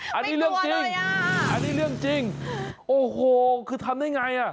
ไม่ตัวเลยอ่ะอันนี้เรื่องจริงโอ้โหคือทำได้อย่างไร